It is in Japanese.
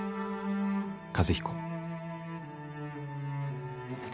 和彦」。